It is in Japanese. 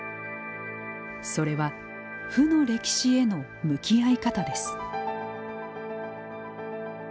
それは負の歴史への向き合い方です。